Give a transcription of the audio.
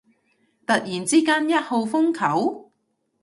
突然之間一號風球？